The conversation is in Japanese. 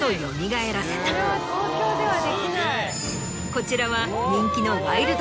こちらは人気の。